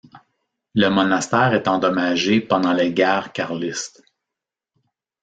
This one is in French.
Le monastère est endommagé pendant les guerres carlistes.